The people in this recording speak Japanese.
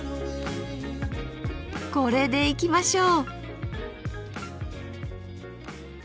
これでいきましょう！